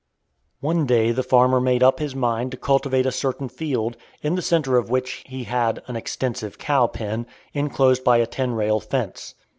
One day the farmer made up his mind to cultivate a certain field, in the centre of which he had an extensive cow pen, inclosed by a ten rail fence.